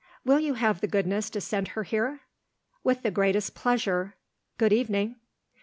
"Will you have the goodness to send her here?" "With the greatest pleasure. Good evening!"